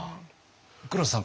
黒田さん